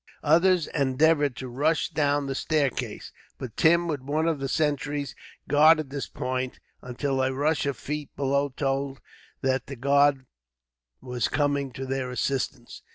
Others endeavoured to rush down the staircase; but Tim, with one of the sentries, guarded this point, until a rush of feet below told that the guard were coming to their assistance.